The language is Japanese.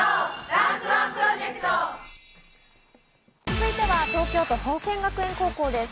続いては東京都宝仙学園高校です。